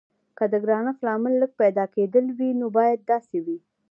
که د ګرانښت لامل لږ پیدا کیدل وي نو باید داسې وي.